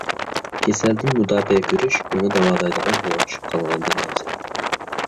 كېسەلدىن مۇداپىئە كۆرۈش، ئۇنى داۋالايدىغان ھالغا چۈشۈپ قالغاندىن ئەۋزەل.